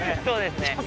そうですね。